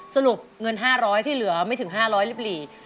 สรุปเงิน๕๐๐บาทที่เหลือไม่ถึง๕๐๐บาทริปรี